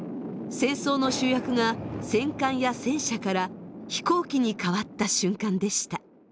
戦争の主役が戦艦や戦車から飛行機にかわった瞬間でした。